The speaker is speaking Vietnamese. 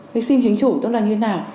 cái sim chính chủ tức là như thế nào